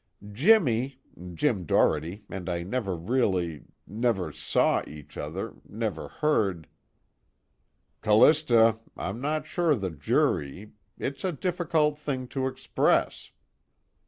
Jimmy Jim Doherty and I never really never saw each other, never heard " "Callista, I'm not sure the jury it's a difficult thing to express."